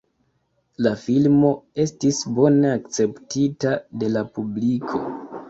La filmo estis bone akceptita de la publiko.